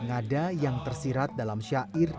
ngada yang tersirat dalam syair